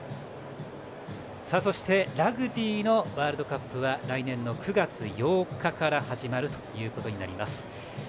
そしてラグビーワールドカップは来年の９月８日から始まるということになります。